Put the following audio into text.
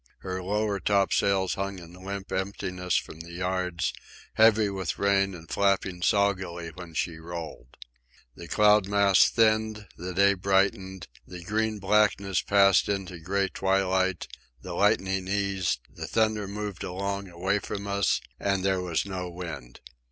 Her lower topsails hung in limp emptiness from the yards, heavy with rain and flapping soggily when she rolled. The cloud mass thinned, the day brightened, the green blackness passed into gray twilight, the lightning eased, the thunder moved along away from us, and there was no wind.